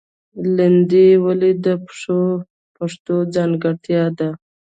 لندۍ ولې د پښتو ځانګړتیا ده؟